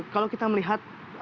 kalau kita melihat